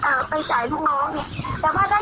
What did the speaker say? ปุ๊บราพราวมันจะได้กินจากป้านงไหมอ่ะแล้วเขาก็ต้องได้